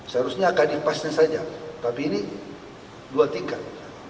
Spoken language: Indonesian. seharusnya akan dipasnya saja tapi ini dua tingkat